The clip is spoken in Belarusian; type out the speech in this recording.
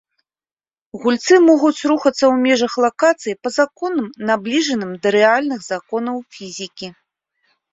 Гульцы могуць рухацца ў межах лакацыі па законам, набліжаным да рэальных законаў фізікі.